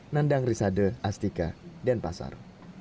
nandang risade astika dan pasar